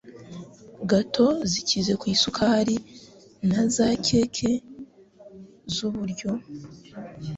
gato zikize ku isukari, na za keke z’uburyo